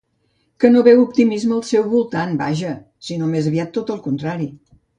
Que no veu optimisme al seu voltant, vaja, sinó més aviat tot el contrari.